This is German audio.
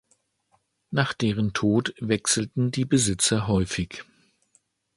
Nach deren Tod wechselten die Besitzer häufig.